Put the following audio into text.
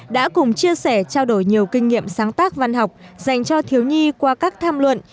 đã cùng chia sẻ trao đổi nhiều kinh nghiệm sáng tác văn học dành cho thiếu nhi qua các tham luận